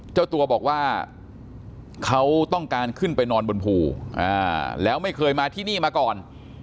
เจ้าตัวบอกว่าเขาต้องการขึ้นไปนอนบนภูแล้วไม่เคยมาที่นี่มาก่อน